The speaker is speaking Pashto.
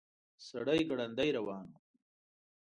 سړی ګړندي روان و.